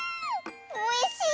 おいしい！